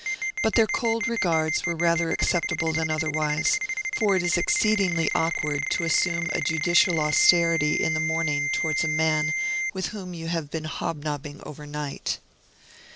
But their cold regards were rather acceptable than otherwise, for it is exceedingly awkward to assume a judicial austerity in the morning towards a man with whom you have been hobnobbing over night.